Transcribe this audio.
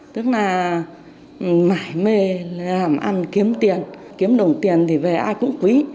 tức là mải mê làm ăn kiếm tiền kiếm đồng tiền thì về ai cũng quý